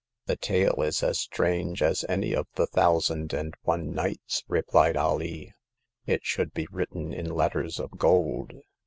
" The tale is as strange as any of the * Thou sand and One Nights,' " replied Alee. It should be written in letters of gold.